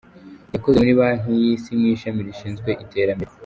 Yakoze muri banki y’isi mu ishami rishinzwe iterambere.